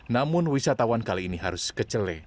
namun wisatawan kali ini harus kecele